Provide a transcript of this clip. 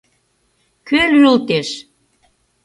— Кӧ лӱйылтеш?